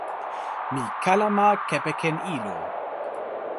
mi kalama kepeken ilo.